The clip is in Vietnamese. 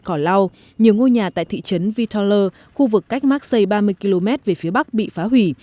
cỏ lau nhiều ngôi nhà tại thị trấn viteller khu vực cách marseille ba mươi km về phía bắc bị phá hủy